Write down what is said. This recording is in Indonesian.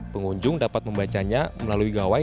pengunjung dapat membacanya melalui gawai